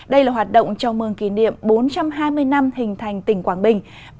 đây là hoạt động chào mừng kỷ niệm bốn trăm hai mươi năm hình thành tỉnh quảng bình